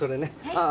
ああ。